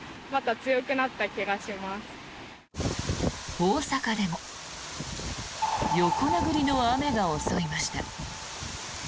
大阪でも横殴りの雨が襲いました。